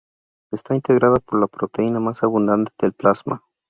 Está integrada por la proteína más abundante del plasma.